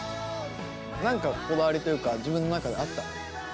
何かこだわりというか自分の中であったの？